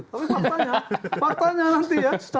tapi faktanya faktanya nanti ya secara psikologis kita lihat gitu ya